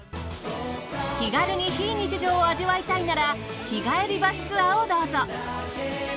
気軽に非日常を味わいたいなら日帰りバスツアーをどうぞ。